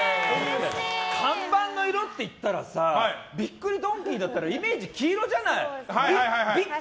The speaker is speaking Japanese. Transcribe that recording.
看板の色って言ったらびっくりドンキーだったらイメージ、黄色じゃない！